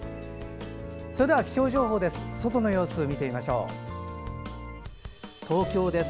それでは気象情報です。